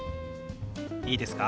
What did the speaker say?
いいですか？